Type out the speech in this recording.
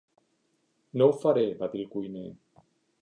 "No ho faré", va dir el cuiner.